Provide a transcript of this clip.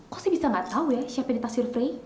kok sih bisa nggak tahu ya siapa yang ditaksir frey